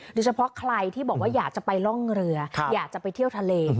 โดยเฉพาะใครที่บอกว่าอยากจะไปร่องเรืออยากจะไปเที่ยวทะเล